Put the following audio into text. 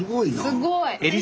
すごい。